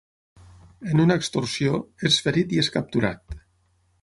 En una extorsió, és ferit i és capturat.